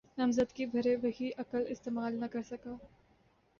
نامزدگی بھرے، وہی عقل استعمال نہ کر سکا۔